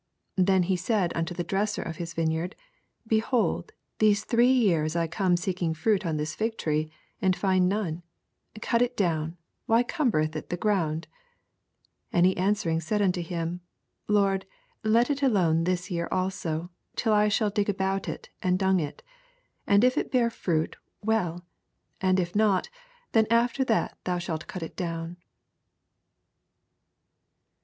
7 Then said he unto the dresser of his vineyard, Behold, these three years I come seeking fruit on this fig tree. aiLd find none : cut it down : why cumbereth it the ground ? 8 And he answering slid unto him. Lord, let it alone this yuar also, till I shall di^ about it, and dung it : 9 And if it bear fruit, weU : and if not, then after tha^ thou shalt cut it down.